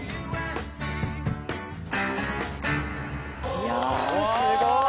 いやあすごーい！